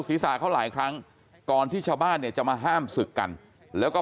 ศีรษะเขาหลายครั้งก่อนที่ชาวบ้านเนี่ยจะมาห้ามศึกกันแล้วก็